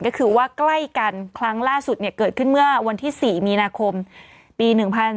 ก็คือว่าใกล้กันครั้งล่าสุดเกิดขึ้นเมื่อวันที่๔มีนาคมปี๑๔